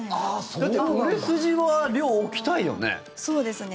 だって売れ筋は量、置きたいよね。